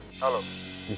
kenzo jangan bergerak gerak